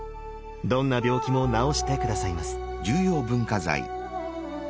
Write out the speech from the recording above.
どんな病気も治して下さいます。